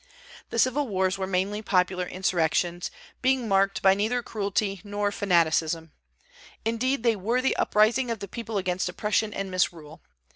The civil wars were mainly popular insurrections, being marked by neither cruelty nor fanaticism; indeed, they were the uprising of the people against oppression and misrule.